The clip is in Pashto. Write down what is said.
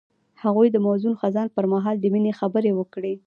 هغه د موزون خزان پر مهال د مینې خبرې وکړې.